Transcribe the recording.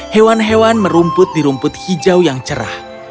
hewan hewan merumput di rumput hijau yang cerah